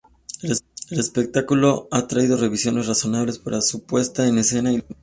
El espectáculo ha atraído revisiones razonables para su puesta en escena e iluminación.